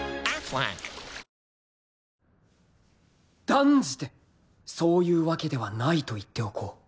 断じてそういうわけではないと言っておこう